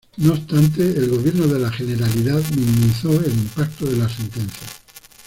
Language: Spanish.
No obstante el gobierno de la Generalidad minimizó el impacto de la sentencia.